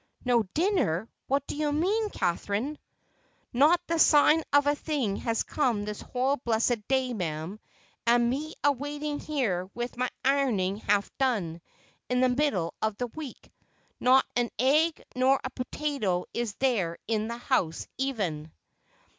"No dinner! What do you mean, Catherine?" "Not the sign of a thing has come this whole blessed day, ma'am; and me a waitin' here with my ironin' half done, in the middle of the week. Not an egg nor a potato is there in the house, even."